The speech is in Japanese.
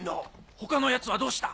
他の奴はどうした？